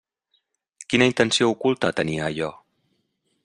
Quina intenció oculta tenia allò?